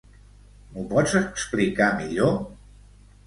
M'ho pots explicar millor?